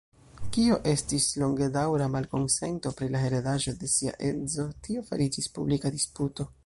Kio estis longedaŭra malkonsento pri la heredaĵo de sia edzo, tio fariĝis publika disputo.